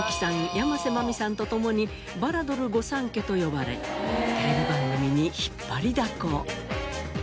山瀬まみさんと共にバラドル御三家と呼ばれテレビ番組に引っ張りだこ。